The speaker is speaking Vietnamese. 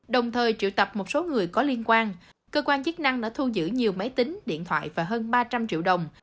đồng thời triệu tập một số người có liên quan cơ quan chức năng đã thu giữ nhiều máy tính điện thoại và hơn ba trăm linh triệu đồng